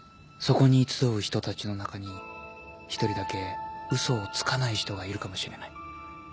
そこに集う人たちの中に１人だけ嘘をつかない人がいるかもしれない